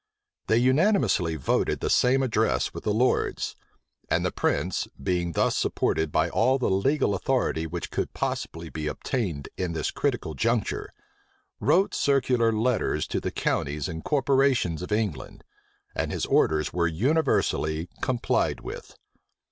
They unanimously voted the same address with the lords: and the prince, being thus supported by all the legal authority which could possibly be obtained in this critical juncture, wrote circular letters to the counties and corporations of England; and his orders were universally complied with.